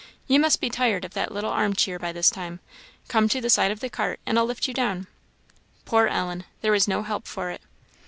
You must be tired of that little arm cheer by this time. Come to the side of the cart, and I'll lift you down." Poor Ellen! There was no help for it.